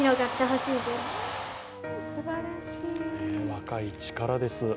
若い力です。